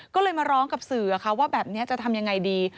ก็เลยมาร้องกับสื่อว่าแบบนี้จะทำยังไงดี